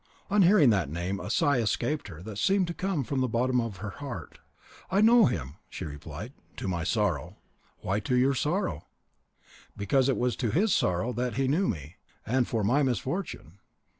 On hearing that name a sigh escaped her that seemed to come from the bottom of her heart. "I know him," she replied, "to my sorrow." "Why to your sorrow?" "Because it was to his sorrow that he knew me, and for my misfortune."